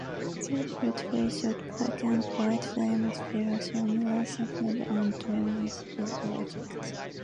These beautifully shot, black and white films share similar surrealistic and dreamy visual effects.